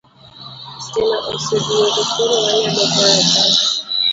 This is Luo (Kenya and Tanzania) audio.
Stima oseduogo koro wanyalo goyo pas